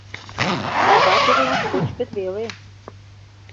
А вате-влак кочкыт веле: